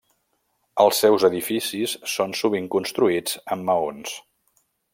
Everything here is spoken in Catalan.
Els seus edificis són sovint construïts amb maons.